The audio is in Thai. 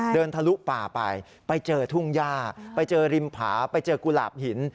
ทะลุป่าไปไปเจอทุ่งย่าไปเจอริมผาไปเจอกุหลาบหิน